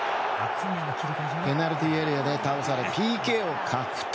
ペナルティーエリアで倒され、ＰＫを獲得。